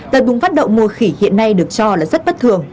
đợt bùng phát đậu mùa khỉ hiện nay được cho là rất bất thường